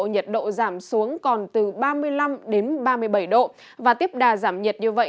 nhiệt độ giảm xuống còn từ ba mươi năm đến ba mươi bảy độ và tiếp đà giảm nhiệt như vậy